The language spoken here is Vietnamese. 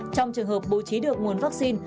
trong trường hợp bố trí được nguồn vaccine